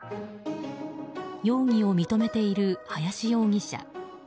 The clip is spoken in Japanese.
容疑を認めている林容疑者。